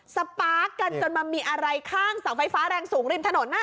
สปาร์คกันจนมามีอะไรข้างเสาไฟฟ้าแรงสูงริมถนน